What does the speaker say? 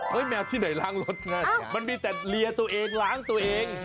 แมวที่ไหนล้างรถไงมันมีแต่เลียตัวเองล้างตัวเอง